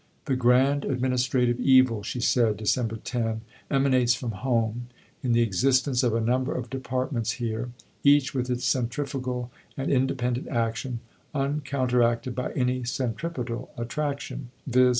"The grand administrative evil," she said (Dec. 10), "emanates from home in the existence of a number of departments here, each with its centrifugal and independent action, uncounteracted by any centripetal attraction, viz.